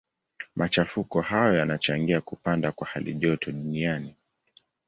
Machafuko hayo yanachangia kupanda kwa halijoto duniani.